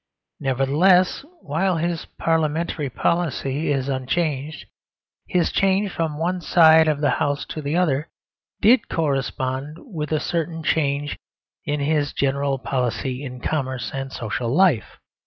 Nevertheless, while his Parliamentary policy is unchanged, his change from one side of the House to the other did correspond with a certain change in his general policy in commerce and social life.